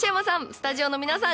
スタジオの皆さん